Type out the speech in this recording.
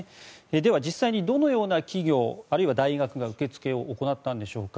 では、実際にどのような企業あるいは大学が受け付けを行ったのでしょうか。